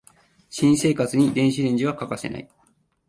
新生活に電子レンジは欠かせない